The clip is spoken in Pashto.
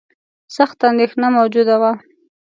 سخته اندېښنه موجوده وه.